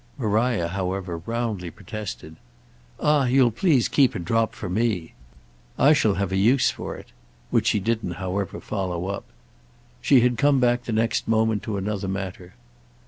Maria, however, roundly protested. "Ah you'll please keep a drop for me. I shall have a use for it!"—which she didn't however follow up. She had come back the next moment to another matter.